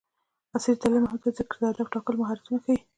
عصري تعلیم مهم دی ځکه چې د هدف ټاکلو مهارتونه ښيي.